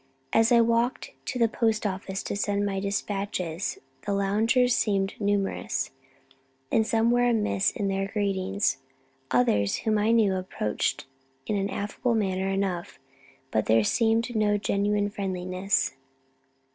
As I walked to the post office to send my despatches the loungers seemed numerous, and some were amiss in their greetings; others, whom I knew, approached in an affable manner enough, but there seemed no genuine friendliness.